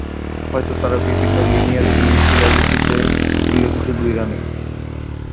হয়তো তারা বিভিন্ন লিনিয়ার বি শিলালিপিতে উল্লিখিত "দুই রাণী"।